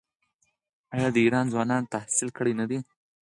آیا د ایران ځوانان تحصیل کړي نه دي؟